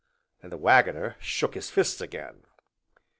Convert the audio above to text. and the Waggoner shook his fists again.